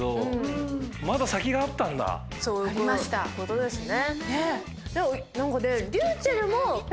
そういうことですね。